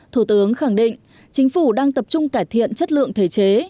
thủ tướng khẳng định chính phủ đang tập trung cải thiện chất lượng thể chế